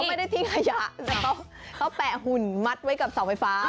ไม่ได้ทิ้งขยะแต่เขาแปะหุ่นมัดไว้กับเสาไฟฟ้า